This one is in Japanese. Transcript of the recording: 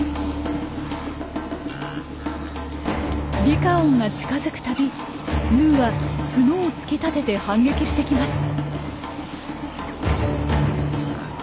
リカオンが近づくたびヌーは角を突き立てて反撃してきます。